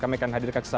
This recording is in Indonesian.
kami akan hadir ke sana